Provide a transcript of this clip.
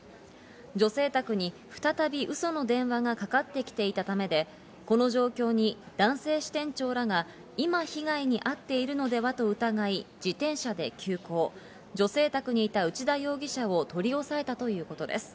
女性宅に再び嘘の電話がかかってきていたためで、この状況に男性支店長らが今、被害に遭っているのではと疑い、自転車で急行、女性宅に内田容疑者を取り押さえたということです。